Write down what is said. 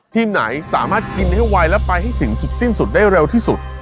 ทีมไหนสามารถกินให้ไวและไปให้ถึงจุดสิ้นสุดได้เร็วที่สุด